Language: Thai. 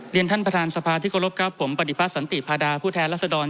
เรียนท่านประธานสภาธิกรกครับผมปฏิพัฒน์สันติพาดาผู้แท้ลักษณ์ดอน